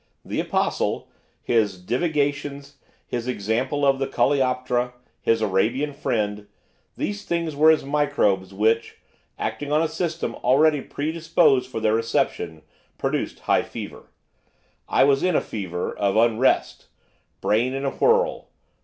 The Apostle, his divagations, his example of the coleoptera, his Arabian friend, these things were as microbes which, acting on a system already predisposed for their reception, produced high fever; I was in a fever, of unrest. Brain in a whirl!